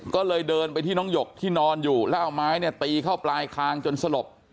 ก็เลยเดินไปที่น้องหยกที่นอนอยู่แล้วเอาไม้เนี่ยตีเข้าปลายคางจนสลบ